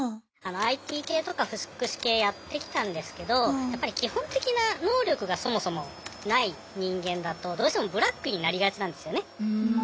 ＩＴ系とか福祉系やってきたんですけどやっぱり基本的な能力がそもそもない人間だとどうしてもブラックになりがちなんですよね。